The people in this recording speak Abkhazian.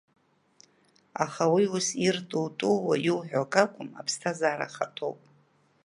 Аха уи ус ирту-тууа иуҳәо акы акәым, аԥсҭазаара ахаҭа ауп.